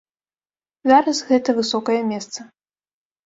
Зараз гэта высокае месца.